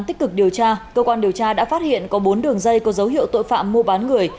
tích cực điều tra cơ quan điều tra đã phát hiện có bốn đường dây có dấu hiệu tội phạm mua bán người